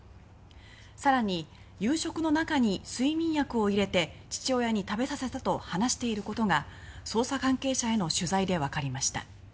更に「夕食の中に睡眠薬を入れて父親に食べさせた」と話していることが捜査関係者への取材でわかりました。